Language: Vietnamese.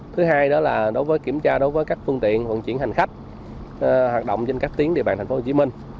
thứ hai đó là đối với kiểm tra đối với các phương tiện vận chuyển hành khách hoạt động trên các tuyến địa bàn thành phố hồ chí minh